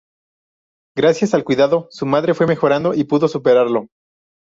Gracias al cuidado de su madre fue mejorando y pudo superarlo.